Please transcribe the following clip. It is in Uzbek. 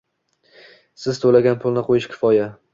Siz to'lagan pulni qo'yish kifoya